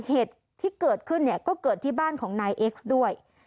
เหตุที่เกิดขึ้นเนี่ยก็เกิดที่บ้านของนายเอ็กซ์ด้วย